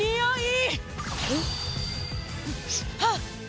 はっ！